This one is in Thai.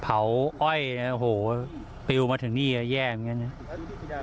อ้อยนะโอ้โหปลิวมาถึงนี่แย่เหมือนกันนะ